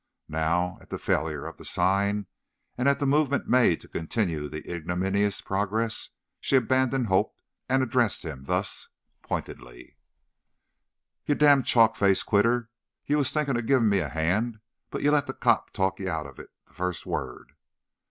Now, at the failure of the sign, and at the movement made to continue the ignominious progress, she abandoned hope, and addressed him thus, pointedly: "You damn chalk faced quitter! You was thinking of giving me a hand, but you let the cop talk you out of it the first word.